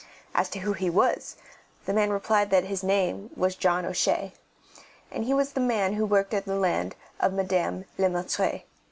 As to who he was, the man replied that his name was John O'Shea, and he was the man who worked the land of Madame Le Maître.